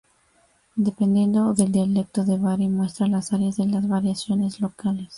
Dependiendo del dialecto de Bari muestra las áreas de las variaciones locales.